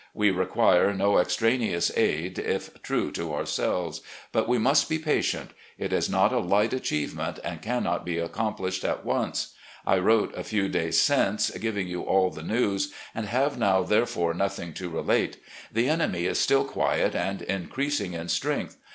We require no extra neous aid, if true to ourselves. But we must be patient. It is not a light achievement and cannot be accomplished * On account of the Trent affair. 6o RECOLLECTIONS OF GENERAL LEE at once. ... I wrote a few days since, giving you all the news, and have now therefore nothing to relate. The enemy is still quiet and increasing in strength.